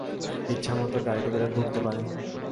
ইচ্ছামত গাড়িতে করে ঘুরতে পারে।